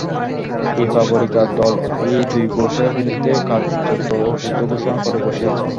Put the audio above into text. Republican দল এই দুই গ্রুপের বিরুদ্ধেই কার্যত যুদ্ধ ঘোষণা করে বসে আছে।